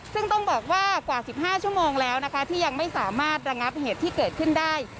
ซึ่งต้องบอกว่ากว่า๑๕ชั่วโมงแล้วนะคะที่ยังไม่สามารถระงับเหตุที่เกิดขึ้นได้